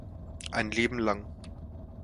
Ein Leben lang.